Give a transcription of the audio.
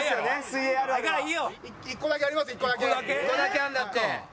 １個だけあるんだって。